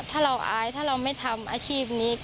ถ้าเราอายถ้าเราไม่ทำอาชีพนี้